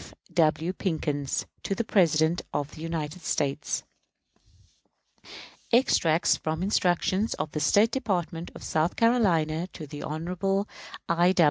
F. W. PICKENS. To the President of the United States. _Extracts from instructions of the State Department of South Carolina to Hon. I.